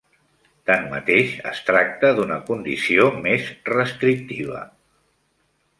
Tanmateix, es tracta d'una condició més restrictiva.